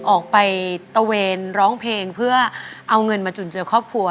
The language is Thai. ออกไปตะเวนร้องเพลงเพื่อเอาเงินมาจุนเจอครอบครัว